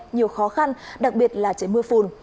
nhiều khó khăn đặc biệt là trời mưa phùn